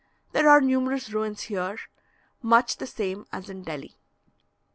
There are numerous ruins here, much the same as in Delhi.